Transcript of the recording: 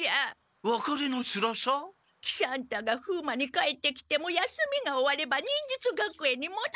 喜三太が風魔に帰ってきても休みが終われば忍術学園にもどらねばならん。